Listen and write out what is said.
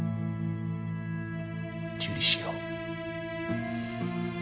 受理しよう。